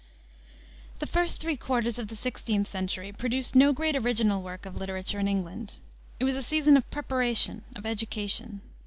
The first three quarters of the 16th century produced no great original work of literature in England. It was a season of preparation, of education.